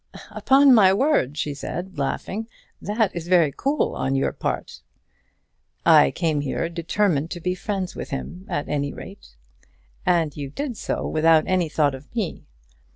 "Upon my word," she said, laughing, "that is very cool on your part." "I came here determined to be friends with him at any rate." "And you did so without any thought of me.